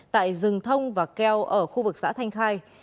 tại rừng thông và keo ở khu vực xã thanh khai